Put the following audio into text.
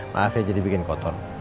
maaf ya jadi bikin kotor